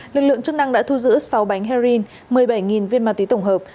lực lượng chức năng đã thu giữ sáu bánh heroin một mươi bảy viên ma túy tổng hợp